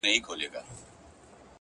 د حقیقت منل زړورتیا غواړي؛